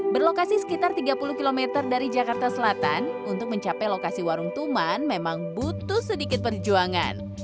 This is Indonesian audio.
berlokasi sekitar tiga puluh km dari jakarta selatan untuk mencapai lokasi warung tuman memang butuh sedikit perjuangan